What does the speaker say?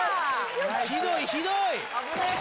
ひどいひどい！